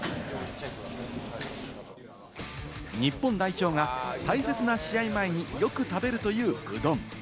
日本代表が大切な試合前によく食べるという、うどん。